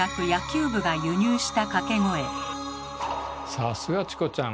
さすがチコちゃん！